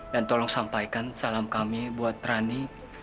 dan tolong sampaikan salam kami buat rani